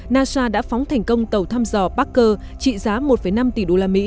nasa đã phóng thành công tàu thăm dò parker trị giá một năm tỷ usd